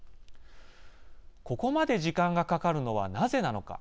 ここまで時間がかかるのはなぜなのか。